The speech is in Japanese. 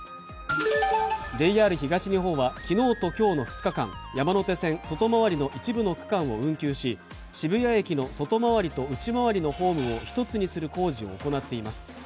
ＪＲ東日本は昨日と今日の２日間、山手線外回りの一部の区間を運休し、渋谷駅の外回りと内回りのホームを１つにする工事を行っています。